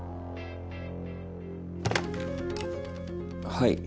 はい。